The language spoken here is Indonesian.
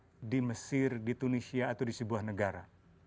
di mesir di tunisia atau di sebuah negara